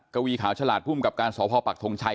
กวีขาวฉลาดผู้อุ้มกับการสอบพ่อปากทงชัย